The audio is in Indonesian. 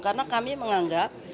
karena kami menganggap